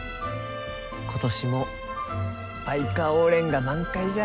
今年もバイカオウレンが満開じゃ。